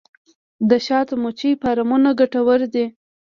د شاتو مچیو فارمونه ګټور دي